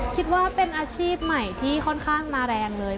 คิดว่าเป็นอาชีพใหม่ที่ค่อนข้างมาแรงเลย